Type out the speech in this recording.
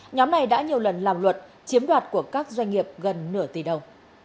nhóm này đã nhiều lần làm luật chiếm đoạt của các doanh nghiệp gần nửa tỷ đồng